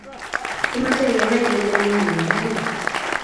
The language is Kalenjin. Kimoche Kenai kele miyu amune